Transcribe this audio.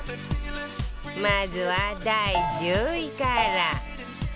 まずは第１０位から